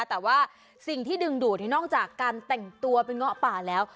แต่ว่าสิ่งที่ดึงดูดนี่นอกจากการแต่งตัวเป็นเงาะป่าแล้ว